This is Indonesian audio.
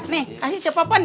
nih kasih cepepan ya